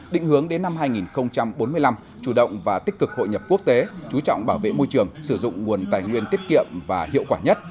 định hướng đến năm hai nghìn bốn mươi năm chủ động và tích cực hội nhập quốc tế chú trọng bảo vệ môi trường sử dụng nguồn tài nguyên tiết kiệm và hiệu quả nhất